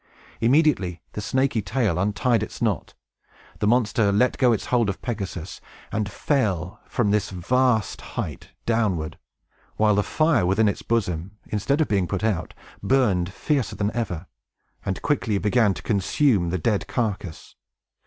Immediately the snaky tail untied its knot. The monster let go its hold of Pegasus, and fell from that vast height, downward; while the fire within its bosom, instead of being put out, burned fiercer than ever, and quickly began to consume the dead carcass.